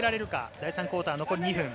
第３クオーター残り２分。